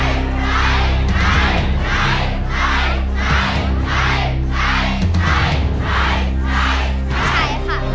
ใช้ค่ะ